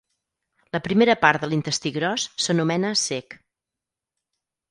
La primera part de l'intestí gros s'anomena cec.